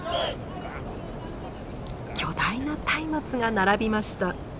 巨大な松明が並びました。